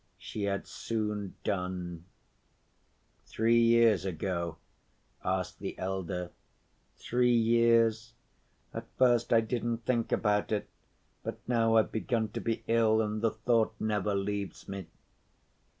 She had soon done. "Three years ago?" asked the elder. "Three years. At first I didn't think about it, but now I've begun to be ill, and the thought never leaves me."